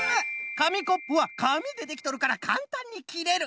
かみコップはかみでできとるからかんたんにきれる。